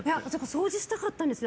掃除したかったんですよ！